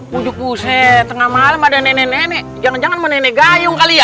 pujuk buset tengah malem ada nenek nenek jangan jangan mau nenek gayung kali ya